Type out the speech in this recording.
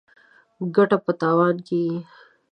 ګټه په تاوان کېږي.